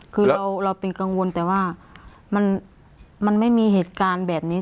คือเราเป็นกังวลแต่ว่ามันไม่มีเหตุการณ์แบบนี้